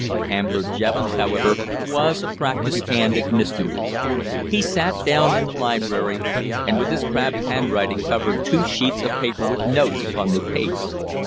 Ambler Jevons, however, was a practised hand at mysteries. He sat down in the library, and with his crabbed handwriting covered two sheets of paper with notes upon the case.